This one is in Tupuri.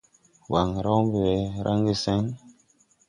Waŋ raw mbe we raŋge seŋ?